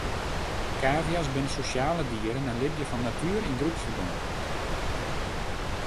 Kavia's binne sosjale dieren en libje fan natuere yn groepsferbân.